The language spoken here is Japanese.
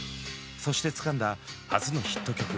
そしてつかんだ初のヒット曲